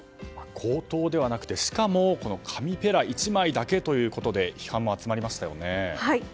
口頭ではなくてしかも、紙ぺら１枚だけなので批判も集まりましたよね。